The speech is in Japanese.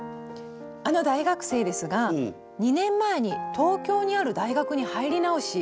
あの大学生ですが２年前に東京にある大学に入り直し